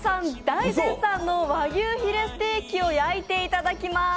大絶賛の和牛ヒレステーキを焼いていただきます。